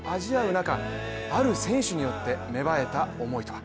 中ある選手によって芽生えた思いとは。